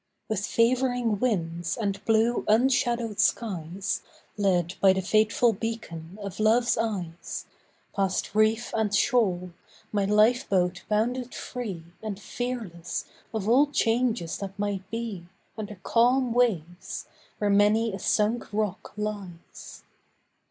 With favouring winds and blue unshadowed skies, Led by the faithful beacon of Love's eyes, Past reef and shoal, my life boat bounded free And fearless of all changes that might be Under calm waves, where many a sunk rock lies.